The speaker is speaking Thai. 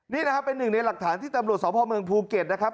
นี่นะครับเป็นหนึ่งในหลักฐานที่ตำรวจสพเมืองภูเก็ตนะครับ